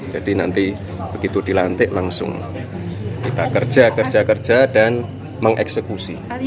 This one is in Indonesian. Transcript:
jadi nanti begitu dilantik langsung kita kerja kerja kerja dan mengeksekusi